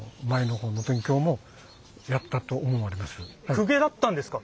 公家だったんですか？